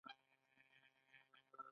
د پاکوالي مراعت کول او لاس مینځل ډیر مهم دي